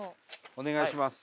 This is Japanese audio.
お願いします。